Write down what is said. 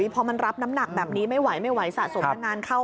พอมันรับน้ำหนักแบบนี้ไม่ไหวสะสมนานเข้า